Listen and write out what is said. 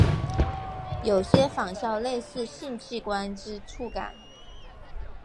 有些仿效类似性器官之触感。